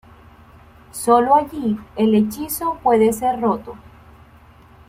Solo allí e hechizo puede ser roto.